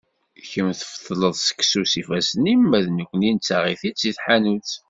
Kemm tfetleḍ seksu s yiffasen-im, ma d nekni nettaɣ-it-id si tḥanut.